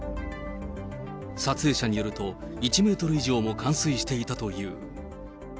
撮影者によると、１メートル以上も冠水していたという。